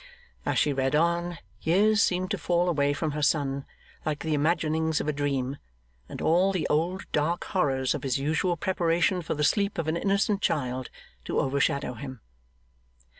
As she read on, years seemed to fall away from her son like the imaginings of a dream, and all the old dark horrors of his usual preparation for the sleep of an innocent child to overshadow him.